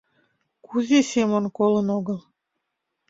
Кузе Семон колын огыл?